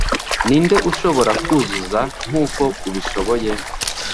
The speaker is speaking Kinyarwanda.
ninde ushobora kuzuzuza nkuko ubishoboye